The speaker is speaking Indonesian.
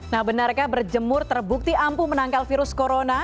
nah benarkah berjemur terbukti ampuh menangkal virus corona